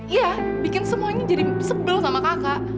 iya bikin semuanya jadi sebel sama kakak